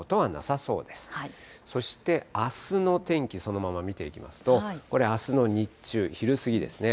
そしてあすの天気、そのまま見ていきますと、これ、あすの日中、昼過ぎですね。